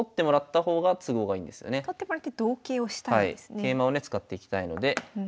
桂馬をね使っていきたいので。